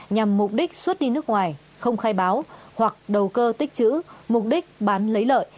nhằm mục đích xuất đi nước ngoài không khai báo hoặc đầu cơ tích chữ mục đích bán lấy lợi